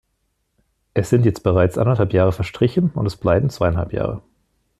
Es sind jetzt bereits anderthalb Jahre verstrichen und es bleiben zweieinhalb Jahre.